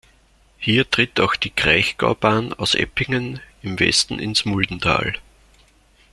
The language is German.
Hier tritt auch die Kraichgaubahn aus Eppingen im Westen ins Muldental.